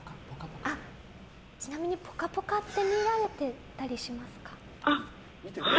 ちなみに「ぽかぽか」って見られてたりしますか？